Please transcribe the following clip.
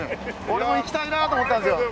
俺も行きたいなと思ったんですよ。